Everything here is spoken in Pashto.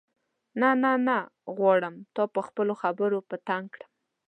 نه نه نه غواړم تا په خپلو خبرو په تنګ کړم.